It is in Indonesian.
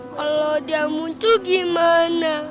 kalau dia muncul gimana